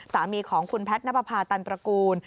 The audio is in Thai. สามีของคุณแพทย์นับประพาตันตระกูล